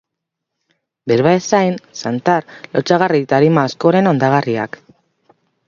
Berba ezain, zantar, lotsagarri eta arima askoren hondagarriak.